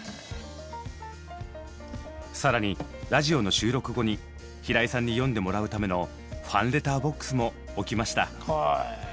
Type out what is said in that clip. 更にラジオの収録後に平井さんに読んでもらうためのファンレターボックスも置きました。